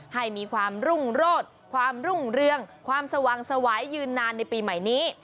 ให้มีความรุ่งโรศความรุ่งเรืองความสว่างสวายยืนนานในปีใหม่นี้